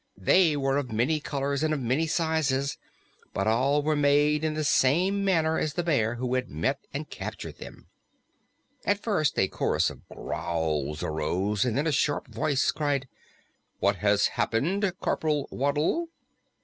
They were of many colors and of many sizes, but all were made in the same manner as the bear who had met and captured them. At first a chorus of growls arose, and then a sharp voice cried, "What has happened, Corporal Waddle?"